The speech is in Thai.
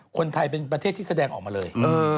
คนไทยเป็นประเทศที่แสดงออกมาเลย